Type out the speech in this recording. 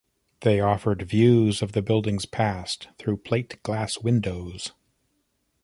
They offer views of the building's past through plate-glass windows.